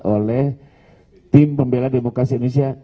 oleh tim pembela demokrasi indonesia